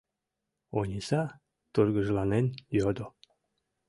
— Ониса тургыжланен йодо.